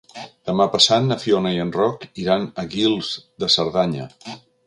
Demà passat na Fiona i en Roc iran a Guils de Cerdanya.